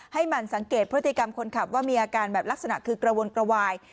ให้มันสังเกตพฤติกรรมคนขับว่ามีอาการแบบลักษณะคือกระวนกระวาย